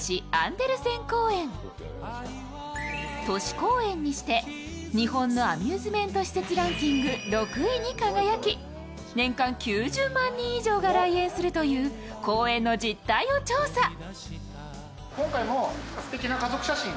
都市公園にして、日本のアミューズメント施設ランキング６位に輝き、年間９０万人以上が来園するという公園の実態を調査。